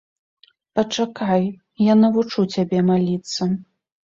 Пачакай, я навучу цябе маліцца.